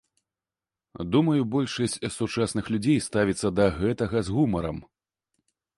Думаю, большасць сучасных людзей ставіцца да гэтага з гумарам.